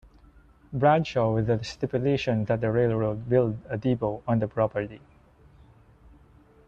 Bradshaw with the stipulation that the railroad build a depot on the property.